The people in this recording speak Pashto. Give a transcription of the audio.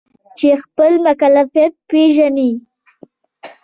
چې خپل مکلفیت پیژني.